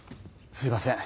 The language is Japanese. すいません。